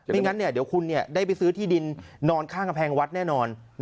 งั้นเดี๋ยวคุณได้ไปซื้อที่ดินนอนข้างกำแพงวัดแน่นอน